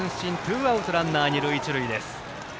ツーアウトランナー二塁一塁です。